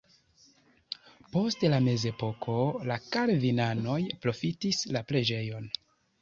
Post la mezepoko la kalvinanoj profitis la preĝejon.